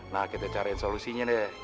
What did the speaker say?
nah kita cari solusinya deh